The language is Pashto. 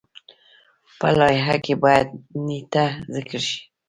په لایحه کې باید نیټه ذکر شي.